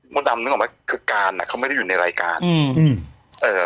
ดำนึกออกไหมคือการอ่ะเขาไม่ได้อยู่ในรายการอืมเอ่อ